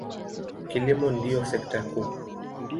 Kilimo ndiyo sekta kuu.